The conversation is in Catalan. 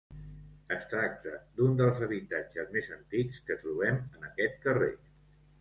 Es tracta d'un dels habitatges més antics que trobem en aquest carrer.